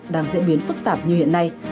đang diễn biến phức tạp như hiện nay